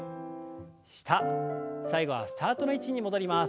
下最後はスタートの位置に戻ります。